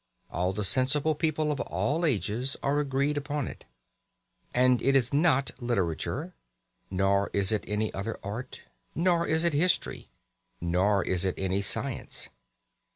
All the sensible people of all ages are agreed upon it. And it is not literature, nor is it any other art, nor is it history, nor is it any science.